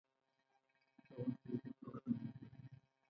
ښوونځی د هیواد مينه زیږوي